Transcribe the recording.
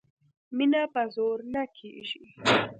مینه په زور نه کېږي